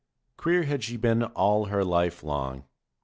Queer had she been all her life long.